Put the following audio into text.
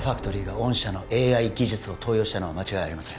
御社の ＡＩ 技術を盗用したのは間違いありません